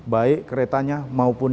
baik keretanya maupun